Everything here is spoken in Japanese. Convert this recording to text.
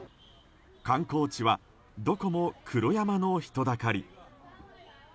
観光地はどこも黒山の人だかり。